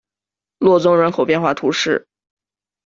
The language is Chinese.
洛宗人口变化图示